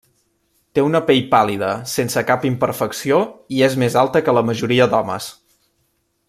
Té una pell pàl·lida sense cap imperfecció i és més alta que la majoria d'homes.